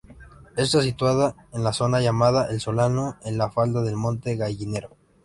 Está situada en la zona llamada "El Solano", en la falda del monte Gallinero.